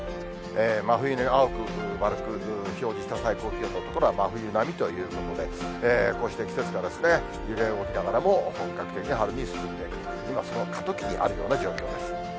真冬、青く表示した最高気温の所は真冬並みということで、こうして季節が揺れ動きながらも、本格的な春に進んでいく、今その過渡期にあるような状況です。